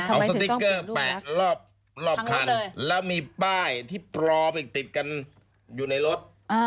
เอาสติ๊กเกอร์แปะรอบคันแล้วมีป้ายที่ปลอมอีกติดกันอยู่ในรถ